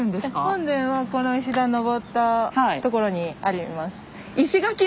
本殿はこの石段上ったところにあります。